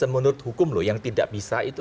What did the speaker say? menurut hukum loh yang tidak bisa itu